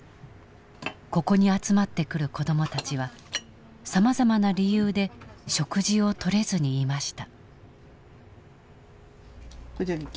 ここに集まってくる子どもたちはさまざまな理由で食事をとれずにいました。